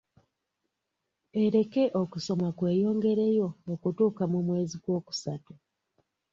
Ereke okusoma kweyongereyo okutuuka mu mwezi gwokusatu.